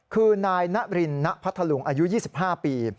คือนายนรินณพัทธลุงอายุ๒๕ปี